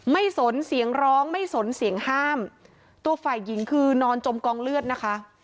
สนเสียงร้องไม่สนเสียงห้ามตัวฝ่ายหญิงคือนอนจมกองเลือดนะคะ